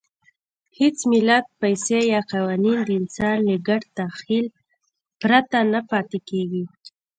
هېڅ ملت، پیسې یا قوانین د انسان له ګډ تخیل پرته نه پاتې کېږي.